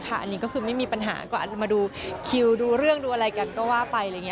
อันนี้ก็คือไม่มีปัญหากว่ามาดูคิวดูเรื่องดูอะไรกันก็ว่าไป